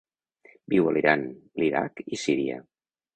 Viu a l'Iran, l'Iraq i Síria.